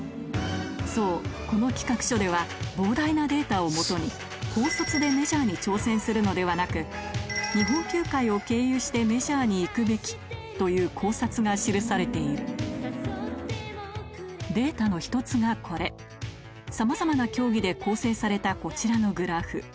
そうこの企画書では膨大なデータをもとに高卒でメジャーに挑戦するのではなく日本球界を経由してメジャーに行くべきという考察が記されているデータの１つがこれさまざまな競技で構成されたこちらのグラフ